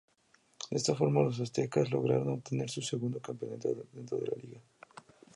De esta forma los Aztecas lograron obtener su segundo campeonato dentro de la liga.